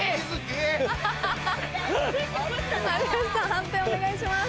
判定お願いします。